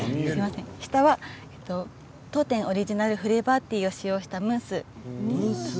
下は当店オリジナルのフレーバーティーを使用したムース。